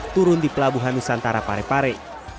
turun di pelabuhan nusantara parepare